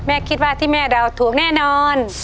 คิดว่าที่แม่เราถูกแน่นอน